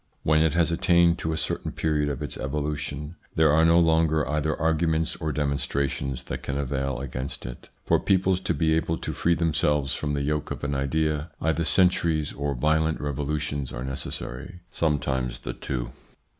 When it has attained to a certain period of its evolution, there are no longer either arguments or demonstrations that can avail against it. For peoples to be able to free themselves ITS INFLUENCE ON THEIR EVOLUTION 189 from the yoke of an idea, either centuries or violent revolutions are necessary ; sometimes the two.